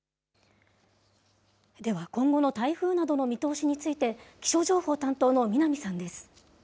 では今後の台風の見通しなどについて、気象情報担当の南さん